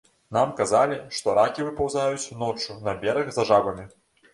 Нам казалі, што ракі выпаўзаюць ноччу на бераг за жабамі.